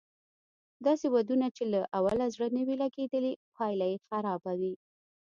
داسې ودونه چې له اوله زړه نه وي لګېدلی پايله یې خرابه وي